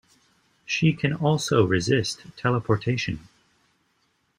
She can also resist teleportation.